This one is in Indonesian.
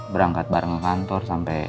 berangkat bareng ke kantor sampai